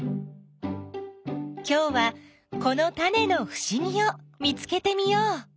きょうはこのタネのふしぎを見つけてみよう。